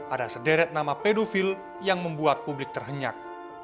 ada sederet nama pedofil yang membuat publik terhenyak